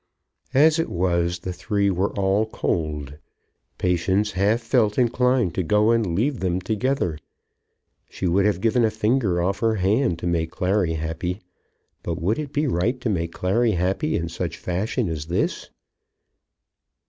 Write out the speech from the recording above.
As it was, the three were all cold. Patience half felt inclined to go and leave them together. She would have given a finger off her hand to make Clary happy; but would it be right to make Clary happy in such fashion as this?